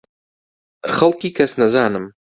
خەڵکی کەسنەزانم.